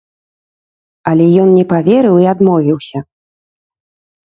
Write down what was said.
Але ён не паверыў і адмовіўся.